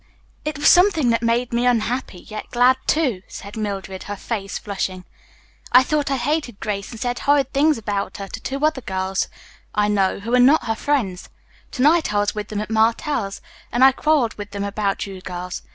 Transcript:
"It was something that made me unhappy, yet glad, too," said Mildred, her face flushing. "I thought I hated Grace and said horrid things about her to two other girls I know, who are not her friends. To night I was with them at Martell's, and I quarreled with them about you girls.